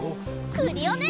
クリオネ！